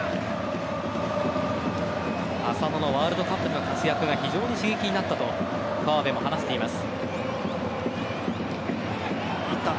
浅野のワールドカップでの活躍が非常に刺激になったと川辺も話しています。